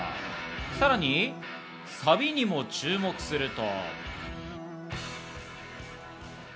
さらにサビにも注目すると。